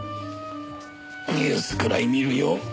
ニュースくらい見るよ。